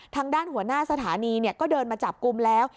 ทางด้านหัวหน้าสถานีก็เดินมาจับกลุ่มแล้ว